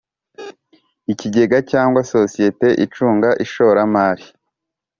Ikigega cyangwa sosiyete icunga ishoramari